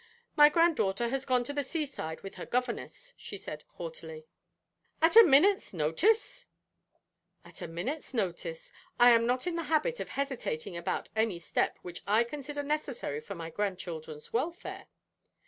'My granddaughter has gone to the seaside with her governess,' she said, haughtily. 'At a minute's notice?' 'At a minute's notice. I am not in the habit of hesitating about any step which I consider necessary for my grandchildren's welfare.'